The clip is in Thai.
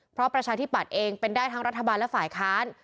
เพราะประชาธิปัตย์เองเป็นได้ทั้งรัฐบาลและฝ่ายค้าน